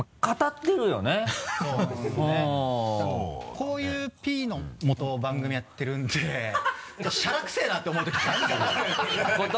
こういうＰのもと番組やってるんでちょっとしゃらくせぇなって思うときがあって。